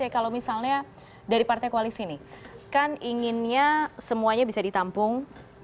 kalau misalnya dari partai koalisi nih kan inginnya semuanya bisa ditampung